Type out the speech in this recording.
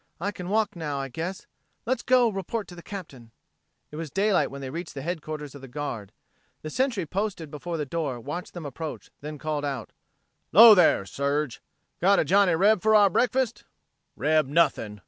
I can walk now, I guess. Let's go report to the Captain." It was daylight when they reached the headquarters of the guard. The Sentry posted before the door watched them approach, then called out: "'Lo there, Serg. Got a Johnny Reb for our breakfast?" "Reb nothing!"